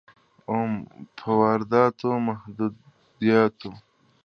اووم: په وارداتو محدودیتونه.